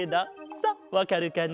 さあわかるかな？